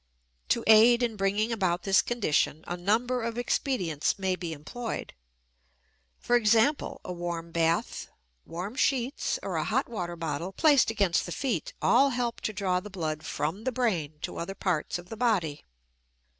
To aid in bringing about this condition a number of expedients may be employed. For example, a warm bath, warm sheets, or a hot water bottle placed against the feet all help to draw the blood from the brain to other parts of the body.